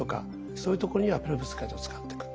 そういうところにはペロブスカイトを使ってく。